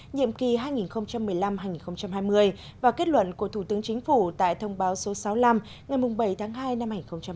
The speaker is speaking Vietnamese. nhiệm kỳ hai nghìn một mươi năm hai nghìn hai mươi và kết luận của thủ tướng chính phủ tại thông báo số sáu mươi năm ngày bảy tháng hai năm hai nghìn hai mươi